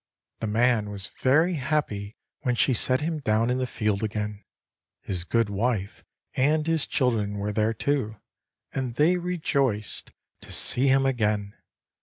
The man was very happy when she set him down in the field again. His good wife, and his children were there, too; and they rejoiced to see him again.